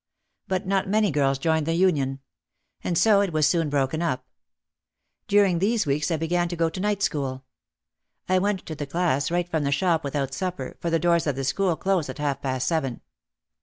But not many girls joined the union. And so, it was soon broken up. During these weeks I began to go to night school. I went to the class right from the shop without supper, for the doors of the school closed at half past seven.